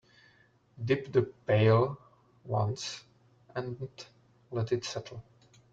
Dip the pail once and let it settle.